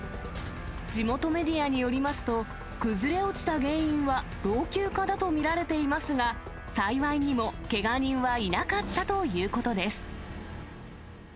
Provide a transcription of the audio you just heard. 地元メディアによりますと、崩れ落ちた原因は老朽化だと見られていますが、幸いにもけが人はいなかったということです。